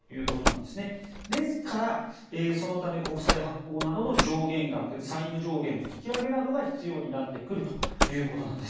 ですから、そのため国債発行などの上限額債務上限の引き上げなどが必要になってくるというわけなんです。